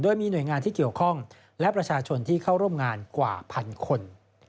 โดยมีหน่วยงานที่เกี่ยวข้องและประชาชนที่เข้าร่วมงานกว่าพันคน